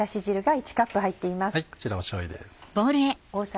こちらしょうゆです。